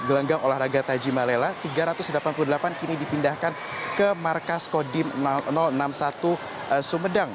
gelanggang olahraga tajimalela tiga ratus delapan puluh delapan kini dipindahkan ke markas kodim enam puluh satu sumedang